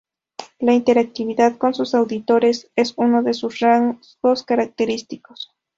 La interactividad con sus auditores, es uno de sus rasgos característicos.